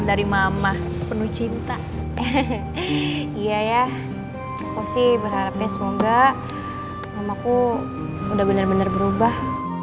dari mama penuh cinta iya ya kau sih berharapnya semoga namaku udah bener bener berubah